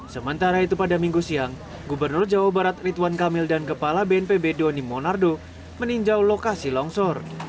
sementara itu pada minggu siang gubernur jawa barat rituan kamil dan kepala bnpb doni monardo meninjau lokasi longsor